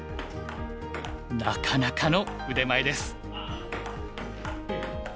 なかなかの腕前です。